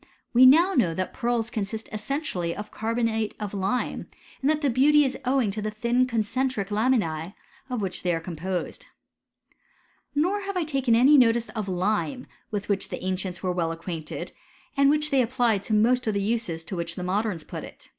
We now know that pearls consist essentially of carbonate of lime, and that the beauty is owing to the thin concentric lamin«B, of which they are composed. Nor have I taken any notice of lime with which the ancients were well acquainted, and which they applied to most of the uses to which the modems put it.